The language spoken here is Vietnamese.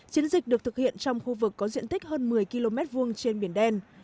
chiến dịch được thực hiện trong khu vực có diện tích hơn một mươi km hai trên biển đen